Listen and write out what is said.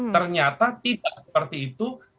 ternyata tidak seperti itu